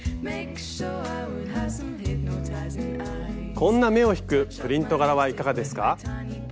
こんな目を引くプリント柄はいかがですか？